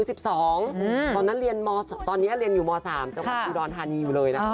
ตอนนั้นเรียนตอนนี้เรียนอยู่ม๓จังหวัดอุดรธานีอยู่เลยนะคะ